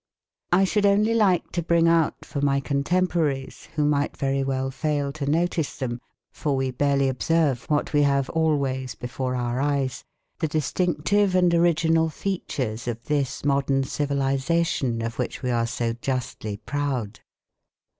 I should only like to bring out for my contemporaries, who might very well fail to notice them (for we barely observe what we have always before our eyes), the distinctive and original features of this modern civilisation of which we are so justly proud.